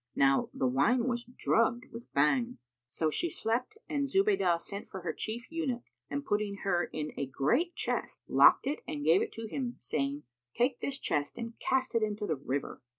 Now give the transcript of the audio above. Now the wine was drugged with Bhang; so she slept and Zubaydah sent for her Chief Eunuch and putting her in a great chest, locked it and gave it to him, saying, "Take this chest and cast it into the river."